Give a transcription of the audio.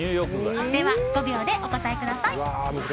では、５秒でお答えください。